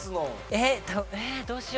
えっどうしよう。